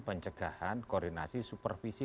pencegahan koordinasi supervisi